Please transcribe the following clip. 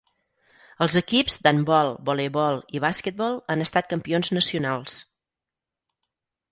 Els equips d'handbol, voleibol i basquetbol han estat campions nacionals.